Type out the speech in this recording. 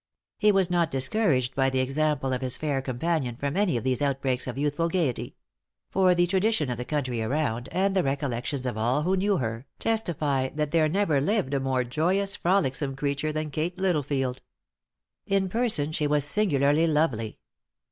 He was not discouraged by the example of his fair companion from any of these outbreaks of youthful gaiety; for the tradition of the country around, and the recollections of all who knew her, testify that there never lived a more joyous, frolicsome creature than "Kate Littlefield." In person, she was singularly lovely.